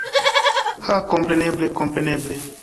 Ha kompreneble kompreneble